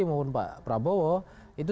maupun pak prabowo itu